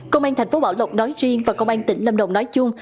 công an thành phố bảo lộc nói riêng và công an tỉnh lâm đồng nói chung